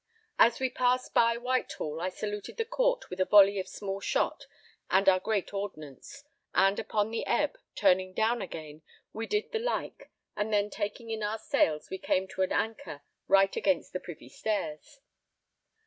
As we passed by Whitehall, I saluted the Court with a volley of small shot and our great ordnance, and upon the ebb, turning down again, we did the like, and then taking in our sails we came to an anchor right against the Privy Stairs.